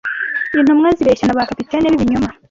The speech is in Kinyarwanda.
intumwa zibeshya na ba capitaine b'ibinyoma